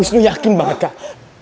usnu yakin banget kau